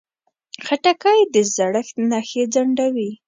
خټکی د زړښت نښې ځنډوي.